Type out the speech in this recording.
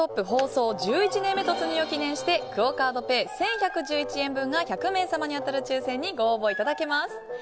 放送１１年目突入を記念してクオ・カードペイ１１１１円分が１００名様に当たる抽選にご応募いただけます。